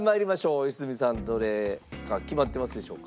良純さんどれか決まってますでしょうか？